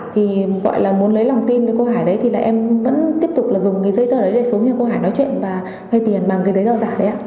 thì gọi là muốn lấy lòng tin với cô hải đấy thì em vẫn tiếp tục dùng cái giấy tờ đấy để xuống nhà cô hải nói chuyện và vây tiền bằng cái giấy tờ giả đấy ạ